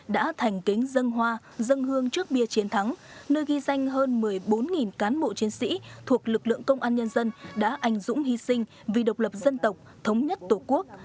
đã thành kính dân hoa dân hương trước bia chiến thắng nơi ghi danh hơn một mươi bốn cán bộ chiến sĩ thuộc lực lượng công an nhân dân đã ảnh dũng hy sinh vì độc lập dân tộc thống nhất tổ quốc